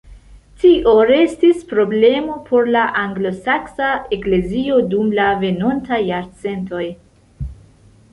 Tio restis problemo por la anglosaksa eklezio dum la venontaj jarcentoj.